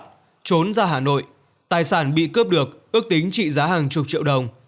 đức rút một vật trốn ra hà nội tài sản bị cướp được ước tính trị giá hàng chục triệu đồng